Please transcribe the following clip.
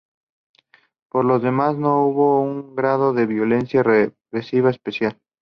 Por lo demás, no hubo un grado de violencia represiva especial.